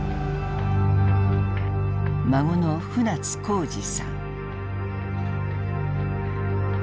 孫の船津康次さん。